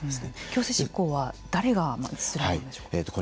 強制執行は誰がするものでしょうか？